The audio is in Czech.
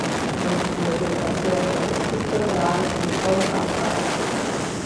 V dnešní době pracuje jako instruktor závodní školy Alfa Romeo.